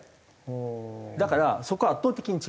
だからそこは圧倒的に違う。